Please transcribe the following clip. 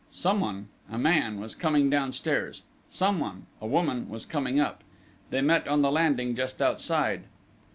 Someone, a man, was coming downstairs: someone, a woman, was coming up. They met on the landing just outside.